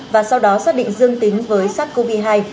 và sau đó xác định dương tính với sars cov hai